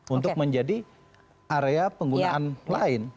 untuk menjadi area penggunaan lain